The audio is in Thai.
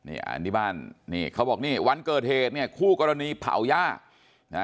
อันนี้บ้านเขาบอกวันเกอร์เทศคู่กรณีเผาย่า